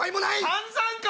散々か！